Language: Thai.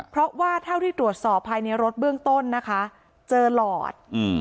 เพราะว่าเท่าที่ตรวจสอบภายในรถเบื้องต้นนะคะเจอหลอดอืม